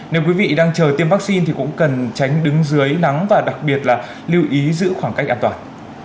nếu quý vị đang chờ tiêm vaccine thì cũng cần tránh đứng dưới nắng và đặc biệt là lưu ý giữ khoảng cách an toàn